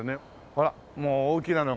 ほらもう大きなのが。